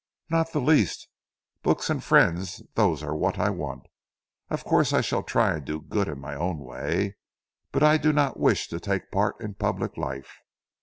"Not the least. Books and friends; those are what I want. Of course I shall try and do good in my own way, but I do not wish to take part in public life.